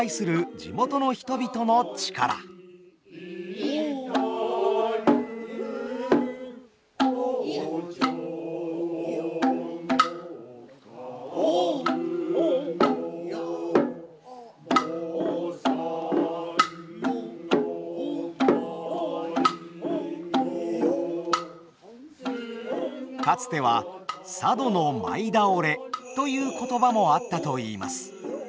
胡蝶も歌舞の菩の舞のかつては「佐渡の舞倒れ」という言葉もあったといいます。